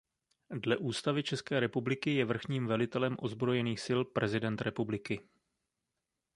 Dle Ústavy České republiky je vrchním velitelem ozbrojených sil prezident republiky.